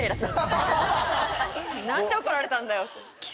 何で怒られたんだよって。